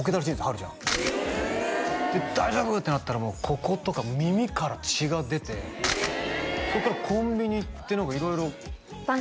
はるちゃん大丈夫！？ってなったらこことか耳から血が出てそっからコンビニ行って色々ばん